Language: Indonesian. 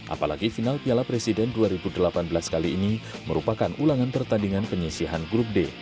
apalagi final piala presiden dua ribu delapan belas kali ini merupakan ulangan pertandingan penyisihan grup d